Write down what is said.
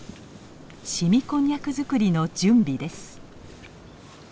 凍みこんにゃく作りの準備です。